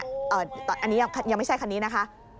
อันนี้ยังไม่ใช่คันนี้นะคะ